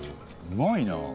うまいな！